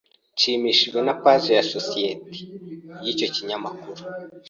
Nshimishijwe na page ya societe yicyo kinyamakuru.